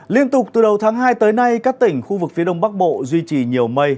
liên tục từ đầu tháng hai tới nay các tỉnh khu vực phía đông bắc bộ duy trì nhiều mây